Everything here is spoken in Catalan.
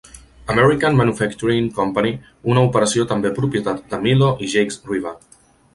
American Manufacturing Company, una operació també propietat de Milo i Jacques Revah.